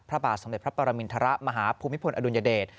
พระบาทสำเร็จพระประมินฐระมหาภูมิผลอดุญเดช